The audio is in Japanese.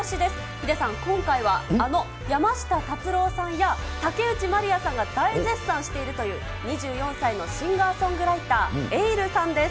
ヒデさん、今回はあの山下達郎さんや竹内まりやさんが大絶賛しているという２４歳のシンガーソングライター、エイルさんです。